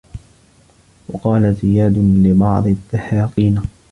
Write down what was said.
وَقَالَ زِيَادٌ لِبَعْضِ الدَّهَاقِينِ